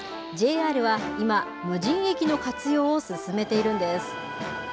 ＪＲは今、無人駅の活用を進めているんです。